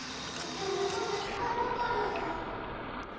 でもまだ来たばかりじゃん。